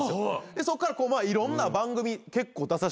そっからいろんな番組結構出させてもらって。